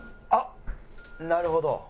あっなるほど。